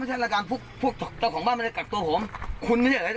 ไม่ใช่ราการพวกเจ้าของบ้านไม่ได้กักตัวผมคุณไม่ได้